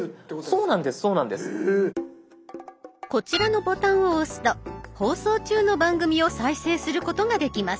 こちらのボタンを押すと放送中の番組を再生することができます。